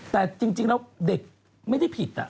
แต่จริงแล้วเด็กไม่ได้ผิด